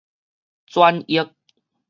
轉譯